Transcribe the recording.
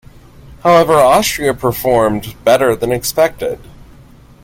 However, Austria performed better than expected.